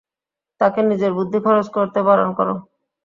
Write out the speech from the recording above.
তাকে নিজের বুদ্ধি খরচ করতে বারণ করো।